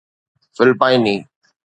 فلپائني